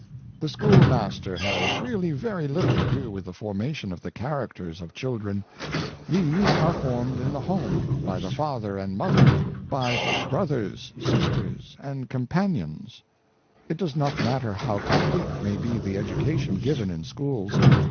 The school master has really very little to do with the formation of the characters of children. These are formed in the home by the father and mother — by brothers, sisters, and companions. It does not matter how complete may be the education given in schools.